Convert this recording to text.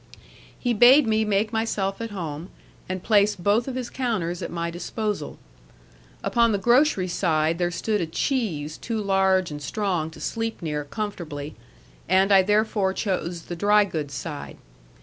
He bade me make myself at home, and placed both of his counters at my disposal. Upon the grocery side there stood a cheese too large and strong to sleep near comfortably, and I therefore chose the dry goods side.